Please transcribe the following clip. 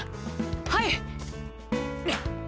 はい！